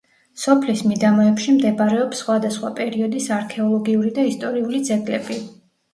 სოფლის მიდამოებში მდებარეობს სხვადასხვა პერიოდის არქეოლოგიური და ისტორიული ძეგლები.